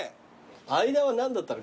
相田は何だったの？